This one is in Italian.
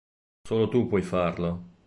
Solo tu puoi farlo!